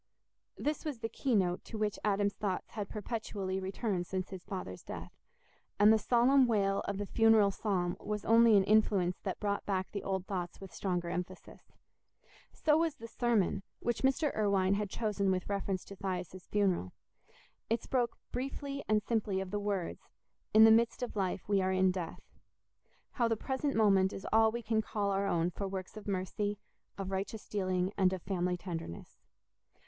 This was the key note to which Adam's thoughts had perpetually returned since his father's death, and the solemn wail of the funeral psalm was only an influence that brought back the old thoughts with stronger emphasis. So was the sermon, which Mr. Irwine had chosen with reference to Thias's funeral. It spoke briefly and simply of the words, "In the midst of life we are in death"—how the present moment is all we can call our own for works of mercy, of righteous dealing, and of family tenderness.